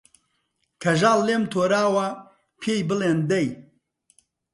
کەژاڵ لێم تۆراوە پێی بڵێن دەی